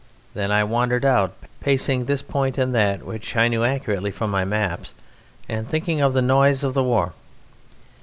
Then I wandered out, pacing this point and that which I knew accurately from my maps, and thinking of the noise of the war.